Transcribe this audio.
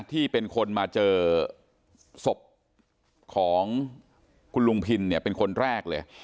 ที่เป็นคนมาเจอศพของคุณลุงพินเนี่ยเป็นคนแรกเลย